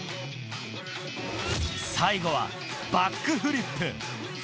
最後は、バックフリップ。